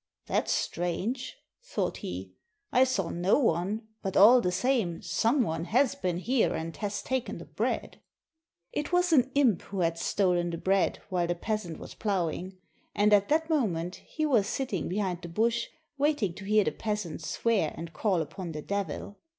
"That's strange," thought he; "I saw no one, but all the same some one has been here and has taken the bread!" It was an imp who had stolen the bread while the peas ant was ploughing, and at that moment he was sitting behind the bush, waiting to hear the peasant swear and call upon the Devil.